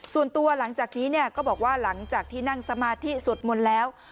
ส่วนตัวหลังจากนี้เนี่ยก็บอกว่าหลังจากที่นั่งสมาธิสวดมนต์แล้ว